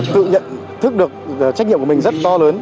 tự nhận thức được trách nhiệm của mình rất to lớn